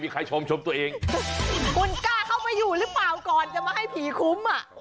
ใครพูดเต็มปะ